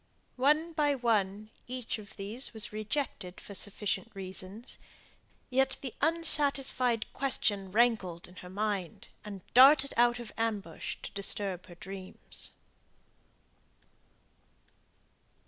One by one, each of these was rejected for sufficient reasons. Yet the unsatisfied question rankled in her mind, and darted out of ambush to disturb her dreams.